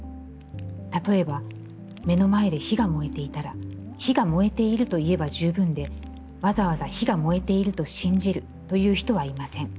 例えば、目の前で火が燃えていたら、『火が燃えている』と言えば十分で、わざわざ『火が燃えていると信じる』と言う人はいません。